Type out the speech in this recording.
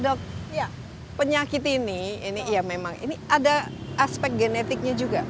dok penyakit ini ini ya memang ini ada aspek genetiknya juga